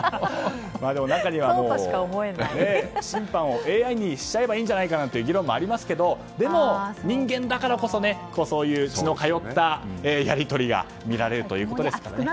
中には審判をＡＩにしちゃえばいいんじゃないかという議論もありますがでも人間だからこそそういう血の通ったやり取りが見られるということですかね。